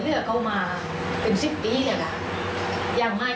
แล้วก็สร้างให้โอเค